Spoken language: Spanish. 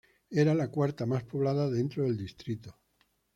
Era la cuarta más poblada dentro del distrito.